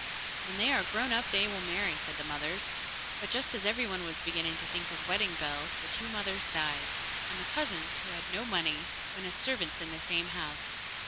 'When they are grown up they will marry,' said the mothers; but just as every one was beginning to think of wedding bells, the two mothers died, and the cousins, who had no money, went as servants in the same house.